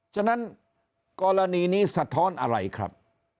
ฉะนั้นกรณีนี้สะท้อนอะไรครับ